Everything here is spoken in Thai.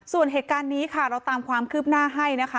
ส่วนเหตุการณ์นี้ค่ะเราตามความคืบหน้าให้นะคะ